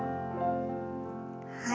はい。